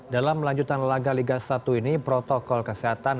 dalam melanjutkan laga liga satu ini protokol kesehatan